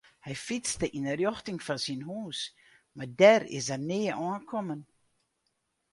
Hy fytste yn 'e rjochting fan syn hús mar dêr is er nea oankommen.